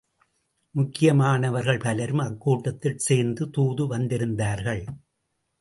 முக்கியமானவர்கள் பலரும் அக்கூட்டத்தில் சேர்ந்து தூது வந்திருந்தார்கள்.